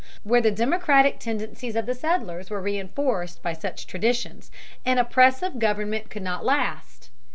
Where the democratic tendencies of the settlers were reinforced by such traditions, an oppressive government could not last.